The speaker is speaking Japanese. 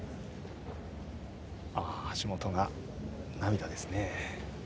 橋本が涙ですね。